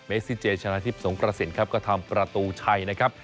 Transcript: ซิเจชนะทิพย์สงกระสินครับก็ทำประตูชัยนะครับ